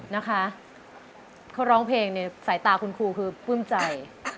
นะคะเขาร้องเพลงในสายตาคุณครูคือปลื้มใจ